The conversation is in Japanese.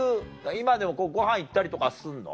今でもごはん行ったりとかすんの？